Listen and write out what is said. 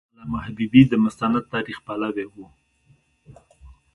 علامه حبیبي د مستند تاریخ پلوی و.